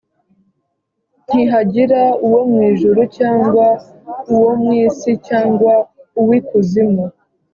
Ntihagira uwo mu ijuru cyangwa uwo mu isi cyangwa uw’ikuzimu,